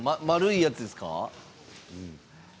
丸いやつですか？